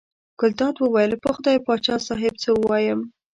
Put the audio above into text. ګلداد وویل: په خدای پاچا صاحب څه ووایم.